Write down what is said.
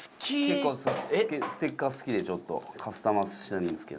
結構ステッカー好きでちょっとカスタマイズしてんですけど。